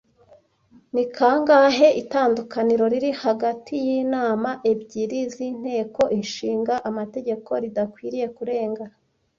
Ni kangahe itandukaniro riri hagati yinama ebyiri zInteko Ishinga Amategeko ridakwiye kurenga